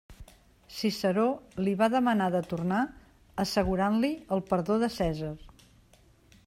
Ciceró li va demanar de tornar assegurant-li el perdó de Cèsar.